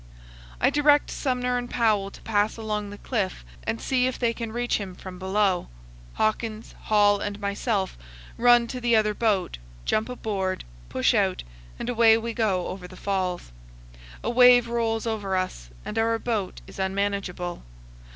I direct Sumner and Powell to pass along the cliff and see if they can reach him from below. Hawkins, Hall, and myself run to the other boat, jump aboard, push out, and away we go over the falls. A wave rolls over us and our boat is unmanageable.